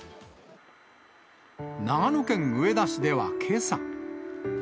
長野県上田市ではけさ。